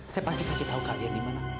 saya pasti kasih tahu kalian di mana